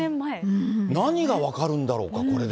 何が分かるんだろうか、これで。